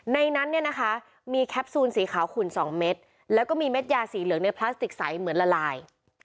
ในนั้นเนี่ยนะคะมีแคปซูลสีขาวขุ่น๒เม็ดแล้วก็มีเม็ดยาสีเหลืองในพลาสติกใสเหมือนละลาย